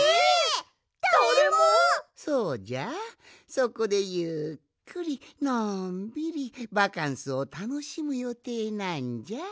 そこでゆっくりのんびりバカンスをたのしむよていなんじゃ。